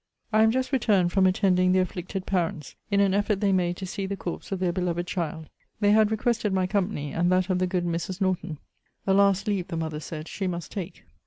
I am just returned from attending the afflicted parents, in an effort they made to see the corpse of their beloved child. They had requested my company, and that of the good Mrs. Norton. A last leave, the mother said, she must take.